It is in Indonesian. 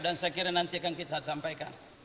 dan saya kira nanti akan kita sampaikan